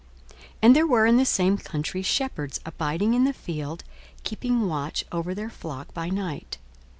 42:002:008 And there were in the same country shepherds abiding in the field, keeping watch over their flock by night.